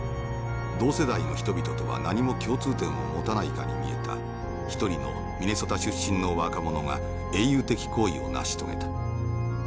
同世代の人々とは何も共通点を持たないかに見えた一人のミネソタ出身の若者が英雄的行為を成し遂げた。